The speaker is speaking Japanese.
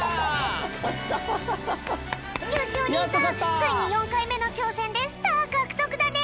ついに４かいめのちょうせんでスターかくとくだね！